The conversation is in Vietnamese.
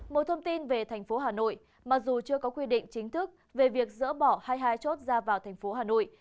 một thông tin về thành phố hà nội mặc dù chưa có quy định chính thức về việc dỡ bỏ hai chốt ra vào thành phố hà nội